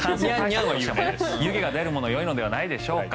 湯気が出るものがよいのではないでしょうか。